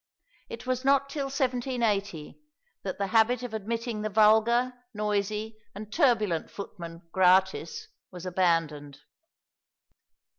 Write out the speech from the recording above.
It was not till 1780 that the habit of admitting the vulgar, noisy, and turbulent footmen gratis was abandoned.